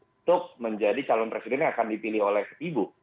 untuk menjadi calon presiden yang akan dipilih oleh ibu